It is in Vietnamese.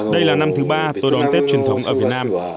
đây là năm thứ ba tôi đón tết truyền thống ở việt nam